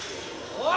おい！